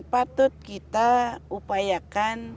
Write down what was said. patut kita upayakan